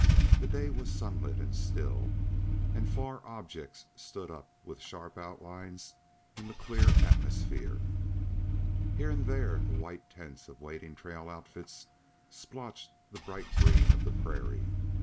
The day was sunlit and still, and far objects stood up with sharp outlines in the clear atmosphere. Here and there the white tents of waiting trail outfits splotched the bright green of the prairie.